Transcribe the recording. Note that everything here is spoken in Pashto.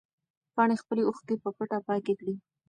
پاڼې خپلې اوښکې په پټه پاکې کړې.